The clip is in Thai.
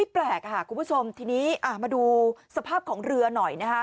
แปลกค่ะคุณผู้ชมทีนี้มาดูสภาพของเรือหน่อยนะคะ